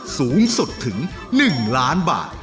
สูงสุดถึง๑ล้านบาท